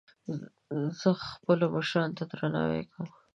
زه خپلو مشرانو ته درناوی کوم